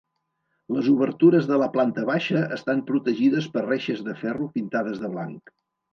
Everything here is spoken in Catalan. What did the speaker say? Les obertures de la planta baixa estan protegides per reixes de ferro pintades de blanc.